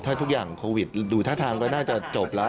ถ้าทุกอย่างโควิดดูท่าทางก็น่าจะจบแล้ว